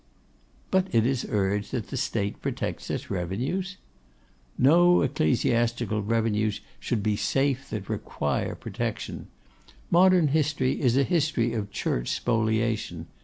'But it is urged that the State protects its revenues?' 'No ecclesiastical revenues should be safe that require protection. Modern history is a history of Church spoliation.